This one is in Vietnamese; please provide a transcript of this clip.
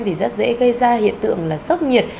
thì rất dễ gây ra hiện tượng là sốc nhiệt